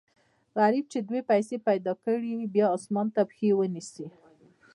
غریب چې دوې پیسې پیدا کړي، بیا اسمان ته پښې و نیسي.